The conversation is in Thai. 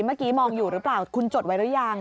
เมื่อกี้มองอยู่หรือเปล่าคุณจดไว้หรือยัง